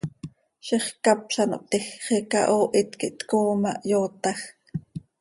Ziix ccap z ano hptiij, xiica hoohit quih tcooo ma, hyootajc.